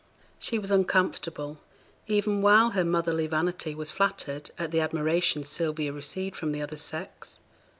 She was uncomfortable, even while her motherly vanity was flattered, at the admiration Sylvia received from the other sex.